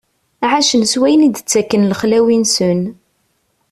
Ɛacen s wayen i d-ttakken lexlawi-nsen.